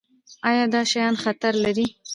ایا دا شیان خطر لري؟